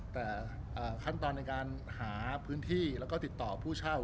แต่ขั้นตอนในการหาพื้นที่แล้วก็ติดต่อผู้เช่า